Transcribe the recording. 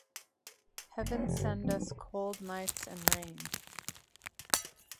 Heaven send us cold nights and rain!